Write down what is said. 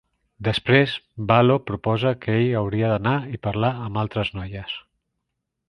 Després, Valo proposa que ell hauria d'anar i parlar amb altres noies.